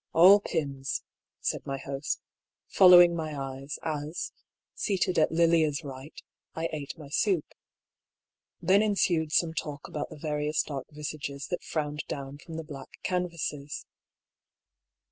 " All Pyms,'* said my host, following my eyes as, seated at " Lilia's " right, I ate my soup. Then ensued some talk about the various dark visages that frowned down from the black canvases.